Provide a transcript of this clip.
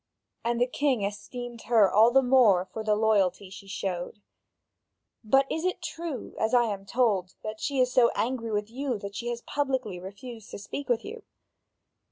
And the king esteemed her all the more for the loyalty she showed. But is it true, as I am told, that she is so angry with you that she has publicly refused to speak with you?"